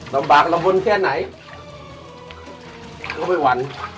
ลำบากลำบลแค่ไหนก็ไม่หวั่น